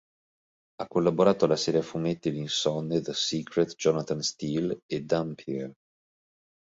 Ha collaborato alle serie a fumetti L'insonne, The Secret, Jonathan Steele e Dampyr.